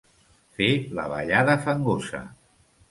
Fer la ballada fangosa.